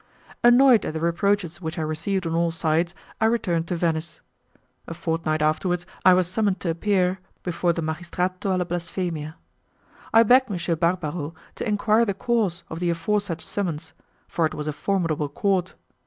Annoyed at the reproaches which I received on all sides, I returned to Venice. A fortnight afterwards I was summoned to appear before the 'magistrato alla blasfemia'. I begged M. Barbaro to enquire the cause of the aforesaid summons, for it was a formidable court.